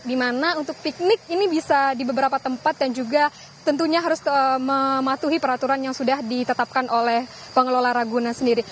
di mana untuk piknik ini bisa di beberapa tempat dan juga tentunya harus mematuhi peraturan yang sudah ditetapkan oleh pengelola ragunan sendiri